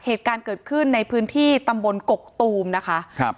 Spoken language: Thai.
เหตุการณ์เกิดขึ้นในพื้นที่ตำบลกกตูมนะคะครับ